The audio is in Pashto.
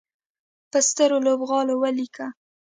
په سترو لوبغالو ولیکه